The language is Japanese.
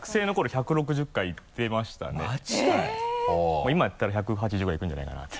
もう今やったら１８０ぐらいいくんじゃないかなと。